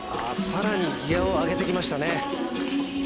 さらにギアを上げてきましたね